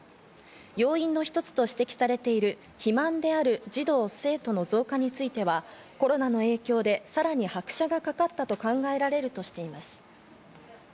要因の一つと指摘されている肥満である児童生徒の増加については、コロナの影響でさらに拍車がかかったと考えられるとしています。